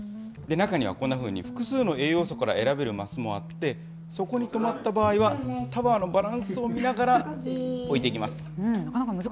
中にはこんなふうに、複数の栄養素から選べる升もあって、そこに止まった場合はタワーのバランスを見ながら置いていきます。